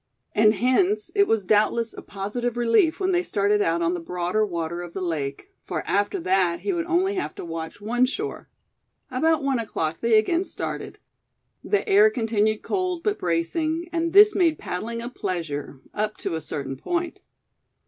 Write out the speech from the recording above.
And hence, it was doubtless a positive relief when they started out on the broader water of the lake; for after that he would only have to watch one shore. About one o'clock they again started. The air continued cold, but bracing, and this made paddling a pleasure, up to a certain point.